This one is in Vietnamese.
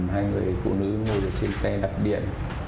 hai người phụ nữ ngồi trên xe đặt điện tôi thấy như vậy tự nhiên trong đầu tôi